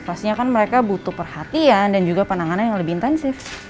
pastinya kan mereka butuh perhatian dan juga penanganan yang lebih intensif